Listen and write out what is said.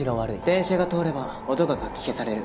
電車が通れば音がかき消される。